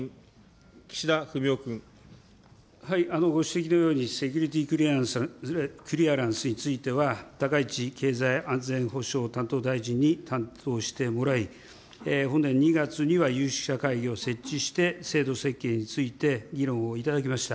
ご指摘のように、セキュリティ・クリアランスについては、高市経済安全保障担当大臣に担当してもらい、本年２月には有識者会議を設置して制度設計について議論をいただきました。